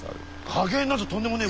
加減なぞとんでもねえ。